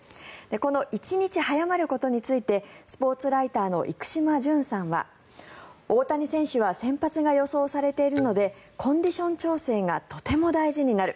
この１日早まることについてスポーツライターの生島淳さんは大谷選手は先発が予想されているのでコンディション調整がとても大事になる。